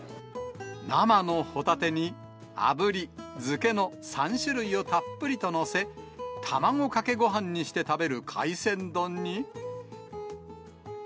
生のホタテにあぶり、漬けの３種類をたっぷりと載せ、卵かけごはんにして食べる海鮮丼に。